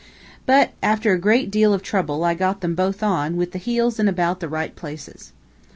But, after a great deal of trouble, I got them both on, with the heels in about the right places.